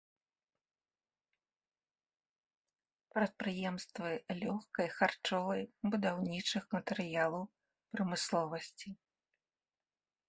Прадпрыемствы лёгкай, харчовай, будаўнічых матэрыялаў прамысловасці.